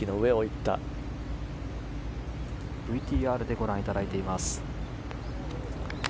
ＶＴＲでご覧いただいています。